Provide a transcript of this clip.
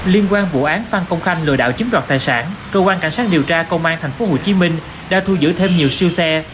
liên quan vụ án phan công khanh lừa đảo chiếm đoạt tài sản cơ quan cảnh sát điều tra công an thành phố hồ chí minh đã thu giữ thêm nhiều siêu xe